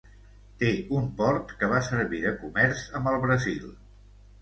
Té un port que va servir de comerç amb el Brasil.